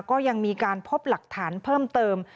ก็ยังมีการพบหลักฐานเพิ่มเติม